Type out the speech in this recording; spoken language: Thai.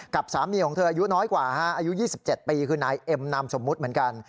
กับสามีของเธออายุน้อยกว่าอายุ๒๗ปีคือนายเอ็มนามสมมุติเหมือนกัน